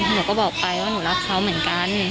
หนูก็บอกไปว่าหนูรักเขาเหมือนกัน